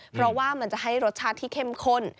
เพราะว่ามันจะให้รสชาติที่เข้มข้น